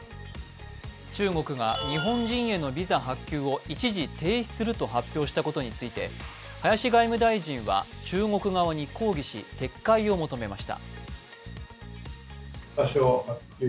中国が日本人へのビザ発給を一時停止すると発表したことについて、林外務大臣は中国側に抗議し撤回を求めました。